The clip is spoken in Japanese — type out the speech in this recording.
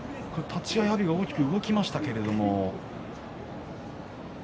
立ち合い阿炎が大きく動きましたけど。